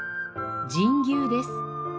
『尋牛』です。